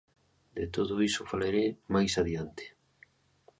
De todo iso falarei máis adiante.